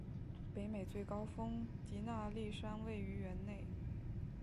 北美最高峰迪纳利山位于园内。